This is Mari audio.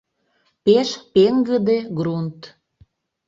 Пеш пеҥгыде грунт...